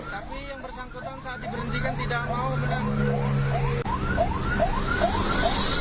tapi yang bersangkutan saat diberhentikan tidak mau kan